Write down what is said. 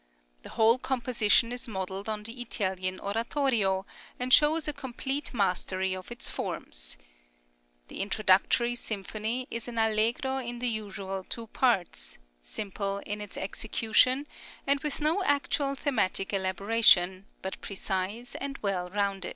The whole composition is modelled on the Italian oratorio, and shows a complete mastery of its forms. The introductory symphony is an allegro in the usual two parts, simple in its execution, and with no actual thematic elaboration, but precise and well rounded.